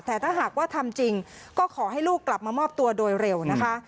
แต่ถ้าหากว่าทำจริงก็ขอให้ลูกกลับมามอบตัวโดยเร็วนะคะ